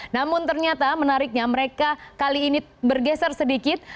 namun ternyata menariknya mereka kali ini bergeser sedikit